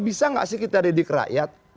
bisa gak sih kita dedik rakyat